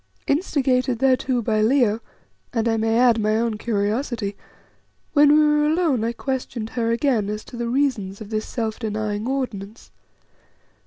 Instigated thereto by Leo, and I may add my own curiosity, when we were alone I questioned her again as to the reasons of this self denying ordinance.